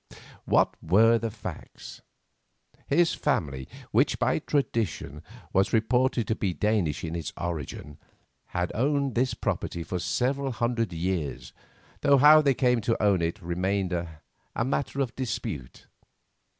What were the facts? His family, which, by tradition, was reported to be Danish in its origin, had owned this property for several hundred years, though how they came to own it remained a matter of dispute.